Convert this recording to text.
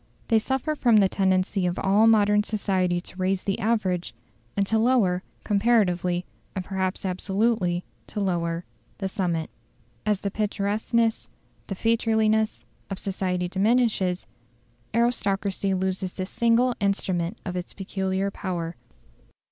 They suffer from the tendency of all modern society to raise the average, and to lower comparatively, and perhaps absolutely, to lower the summit. As the picturesqueness, the featureliness, of society diminishes, aristocracy loses the single instrument of its peculiar power.